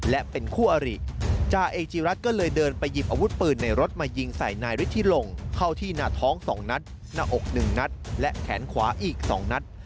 หน้าอกหนึ่งนัดและแขนขวาอีกสองนัด